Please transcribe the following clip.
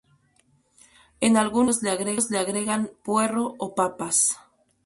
En algunos sitios le agregan puerro o papas.